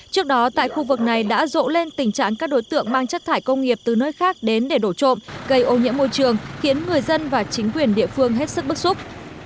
trước đó tại khu vực này đã rộ lên tình trạng các đối tượng mang chất thải công nghiệp từ nơi khác đến để đổ trộm gây ô nhiễm môi trường khiến người dân và chính quyền địa phương hết sức bức xúc